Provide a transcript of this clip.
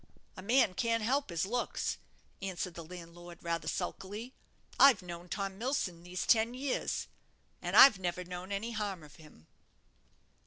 "A man can't help his looks," answered the landlord, rather sulkily; "I've known Tom Milsom these ten years, and I've never known any harm of him."